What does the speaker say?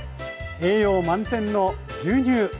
栄養満点の牛乳！